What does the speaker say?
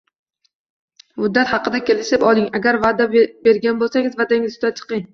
Muddat haqida kelishib oling, agar va’da bergan bo‘lsangiz, va’dangizning ustidan chiqing.